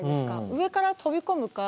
上から飛び込むか。